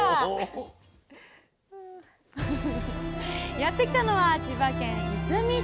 やって来たのは千葉県いすみ市。